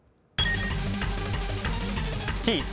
Ｔ。